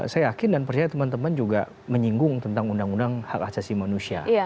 saya yakin dan percaya teman teman juga menyinggung tentang undang undang hak asasi manusia